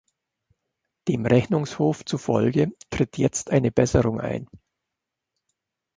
Dem Rechnungshof zufolge tritt jetzt eine Besserung ein.